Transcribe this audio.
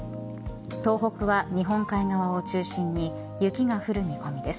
東北は日本海側を中心に雪が降る見込みです。